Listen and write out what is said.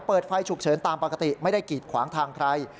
เปิดไฟฉุกเฉินตามปกติไม่ได้กีดขวางทางใคร